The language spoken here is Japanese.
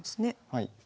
はい。